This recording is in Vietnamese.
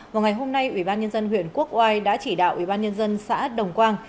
vào ngày hôm nay ủy ban nhân dân huyện quốc oai đã chỉ đạo ủy ban nhân dân xã đồng quang